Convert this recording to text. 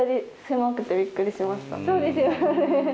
そうですよね。